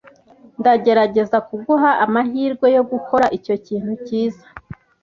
Ndagerageza kuguha amahirwe yo gukora icyo kintu cyiza.